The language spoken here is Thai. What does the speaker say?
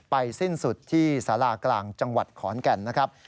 สิ้นสุดที่สารากลางจังหวัดขอนแก่นนะครับ